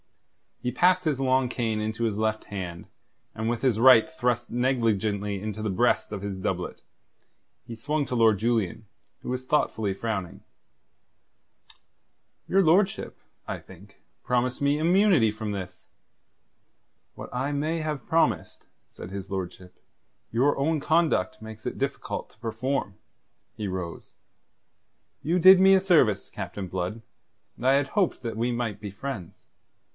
He passed his long cane into his left hand, and with his right thrust negligently into the breast of his doublet, he swung to Lord Julian, who was thoughtfully frowning. "Your lordship, I think, promised me immunity from this." "What I may have promised," said his lordship, "your own conduct makes it difficult to perform." He rose. "You did me a service, Captain Blood, and I had hoped that we might be friends.